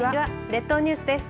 列島ニュースです。